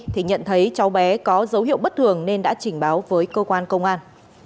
thì nhận thấy cháu bé có dấu hiệu bất thường nên đã trình báo với cơ quan công an